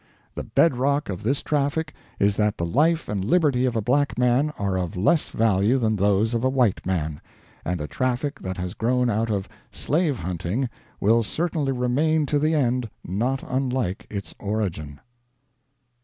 The bed rock of this Traffic is that the life and liberty of a black man are of less value than those of a white man. And a Traffic that has grown out of 'slave hunting' will certainly remain to the end not unlike its origin." CHAPTER VII.